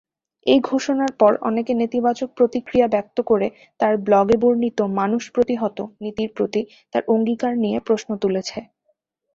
এই ঘোষণার পর অনেকে নেতিবাচক প্রতিক্রিয়া ব্যক্ত করে, তার ব্লগে বর্ণিত "মানুষ প্রতিহত" নীতির প্রতি তার অঙ্গীকার নিয়ে প্রশ্ন তুলেছে।